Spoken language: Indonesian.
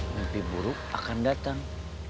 mimpi buruk akan datang